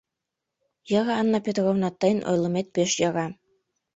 Йӧра, Анна Петровна, тыйын ойлымет пеш йӧра...